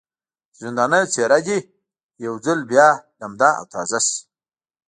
د ژوندانه څېره دې یو ځل بیا لمده او تازه شي.